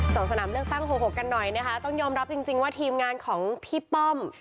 สนามเลือกตั้งหกหกกันหน่อยนะคะต้องยอมรับจริงจริงว่าทีมงานของพี่ป้อม